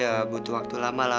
ya butuh waktu lama lah